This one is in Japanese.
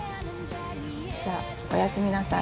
じゃあおやすみなさい。